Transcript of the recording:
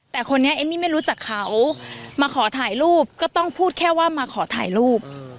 แต่คนนี้เอมมี่ไม่รู้จักเขามาขอถ่ายรูปก็ต้องพูดแค่ว่ามาขอถ่ายรูป